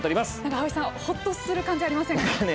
青井さん、本当にほっとする感じありますね。